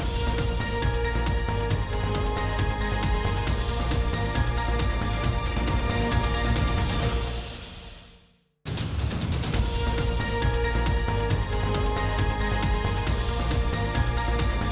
สวัสดีค่ะ